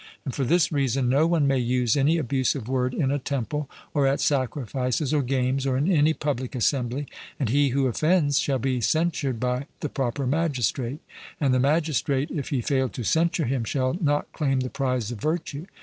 And for this reason no one may use any abusive word in a temple, or at sacrifices, or games, or in any public assembly, and he who offends shall be censured by the proper magistrate; and the magistrate, if he fail to censure him, shall not claim the prize of virtue.